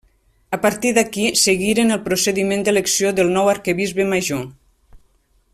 A partir d'aquí seguiren els procediments d'elecció del nou Arquebisbe Major.